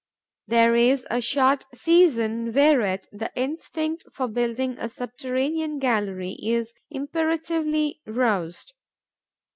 There is a short season whereat the instinct for building a subterranean gallery is imperatively aroused.